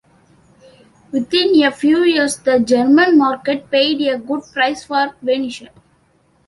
Within a few years the German market paid a good price for venison.